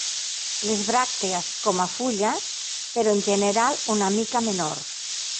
Les bràctees com a fulles, però en general una mica menors.